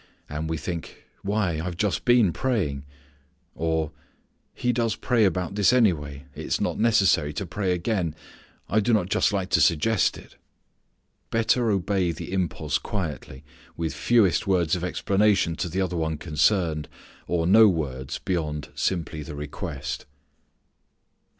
And we think, "Why, I have just been praying," or, "he does pray about this anyway. It is not necessary to pray again. I do not just like to suggest it." Better obey the impulse quietly, with fewest words of explanation to the other one concerned, or no words beyond simply the request.